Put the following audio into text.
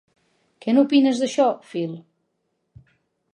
Què n'opines d'això, Phil?